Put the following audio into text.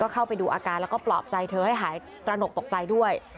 เข้าไปดูอาการแล้วก็ปลอบใจเธอให้หายตระหนกตกใจด้วย